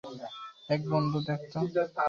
এক বন্ধুকে দেখতে।